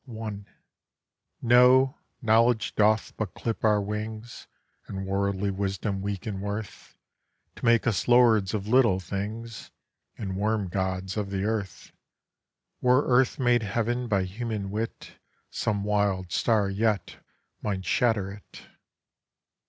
1. 'Know, Knowledge doth but clip our wings, And worldly Wisdom weaken worth, To make us lords of little things, And worm gods of the earth. Were earth made Heaven by human wit, Some wild star yet might shatter it.